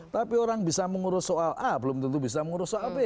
tapi orang bisa mengurus soal a belum tentu bisa mengurus soal b